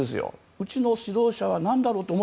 うちの指導者は何だろうと。